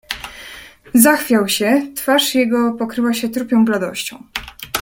"Zachwiał się, twarz jego pokryła się trupią bladością."